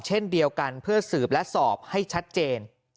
เช่นเดียวกันเพื่อสืบและสอบให้ชัดเจน